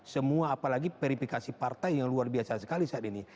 semua apalagi verifikasi partai yang luar biasa sekali saat ini